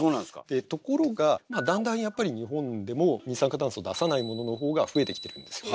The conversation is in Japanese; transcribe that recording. でところがだんだんやっぱり日本でも二酸化炭素を出さないものの方が増えてきてるんですよね。